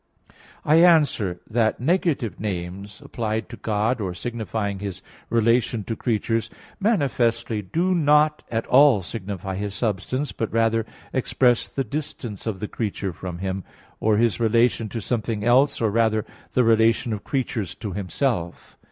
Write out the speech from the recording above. I answer that, Negative names applied to God, or signifying His relation to creatures manifestly do not at all signify His substance, but rather express the distance of the creature from Him, or His relation to something else, or rather, the relation of creatures to Himself.